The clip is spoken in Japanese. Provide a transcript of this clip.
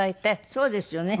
そうですよね。